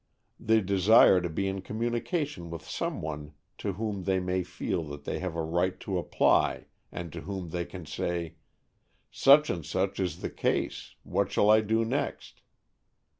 They desire to be in communication with some one to whom they may feel that they have a right to apply, and to whom they can say, "Such and such is the case: what shall I do next?